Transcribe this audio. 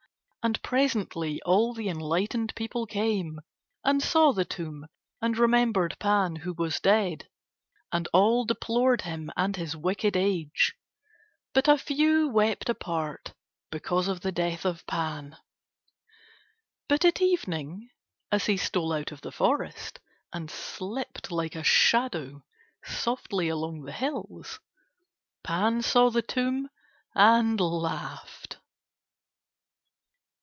And presently all the enlightened people came, and saw the tomb and remembered Pan who was dead, and all deplored him and his wicked age. But a few wept apart because of the death of Pan. But at evening as he stole out of the forest, and slipped like a shadow softly along the hills, Pan saw the tomb and laughed.